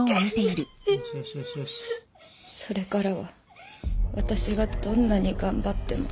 それからは私がどんなに頑張っても。